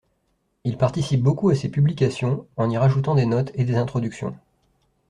Il participe beaucoup à ses publications en y rajoutant des notes et des introductions.